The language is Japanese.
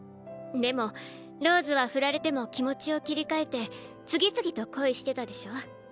でもローズはフラれても気持ちを切り替えて次々と恋してたでしょ。